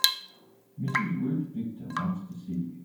Mrs. Ruth Victor wants to see you.